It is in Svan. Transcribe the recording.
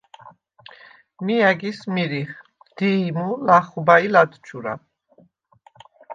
მი ა̈გის მირიხ: დი̄ჲმუ, ლახვბა ი ლადჩურა.